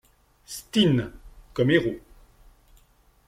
Stine, comme héros.